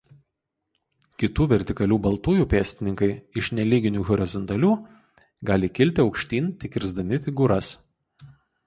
Kitų vertikalių baltųjų pėstininkai iš nelyginių horizontalių gali kilti aukštyn tik kirsdami figūras.